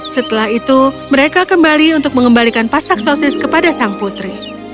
setelah itu mereka kembali untuk mengembalikan pasak sosis kepada sang putri